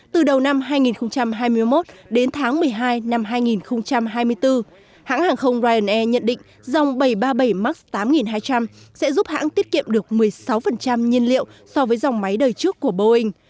từ đầu năm hai nghìn hai mươi một đến tháng một mươi hai năm hai nghìn hai mươi bốn hãng hàng không ryanair nhận định dòng bảy trăm ba mươi bảy max tám nghìn hai trăm linh sẽ giúp hãng tiết kiệm được một mươi sáu nhiên liệu so với dòng máy đời trước của boeing